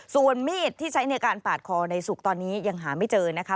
ส่วนมีดที่ใช้ในการปาดคอในสุกตอนนี้ยังหาไม่เจอนะคะ